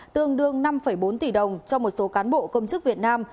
tương đương năm bốn tỷ đồng cho một số cán bộ công chức việt nam